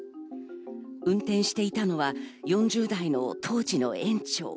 運転していたのは４０代の当時の園長。